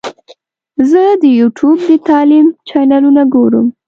زه د یوټیوب د تعلیم چینلونه ګورم.